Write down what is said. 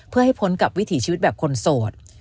เพื่อให้พ้นกับวิถีชีวิตแบบคนโสด